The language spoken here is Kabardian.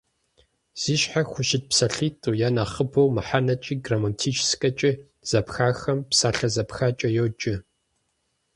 Зи щхьэ хущыт псалъитӏу е нэхъыбэу мыхьэнэкӏи грамматическэкӏи зэпхахэм псалъэ зэпхакӏэ йоджэ.